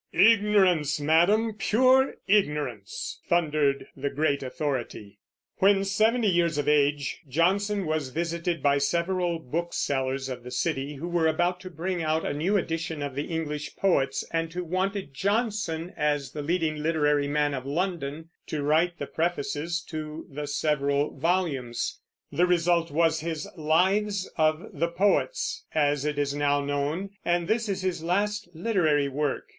"Ignorance, madame, pure ignorance," thundered the great authority. When seventy years of age, Johnson was visited by several booksellers of the city, who were about to bring out a new edition of the English poets, and who wanted Johnson, as the leading literary man of London, to write the prefaces to the several volumes. The result was his Lives of the Poets, as it is now known, and this is his last literary work.